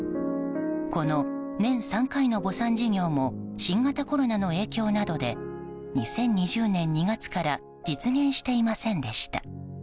この年３回の墓参事業も新型コロナの影響などで２０２０年２月から実現していませんでした。